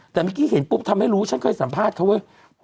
แต่เมื่อกี้เห็นปุ๊บทำให้รู้ฉันเคยสัมภาษณ์เขาเว้ย